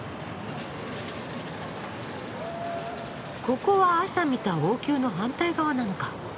ここは朝見た王宮の反対側なのか。